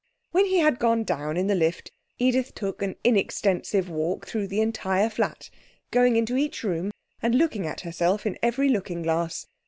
When he had gone down in the lift, Edith took an inextensive walk through the entire flat, going into each room, and looking at herself in every looking glass.